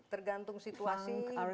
tergantung situasi dan kondisi